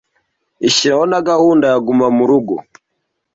ishyiraho na gahunda ya Guma mu rugo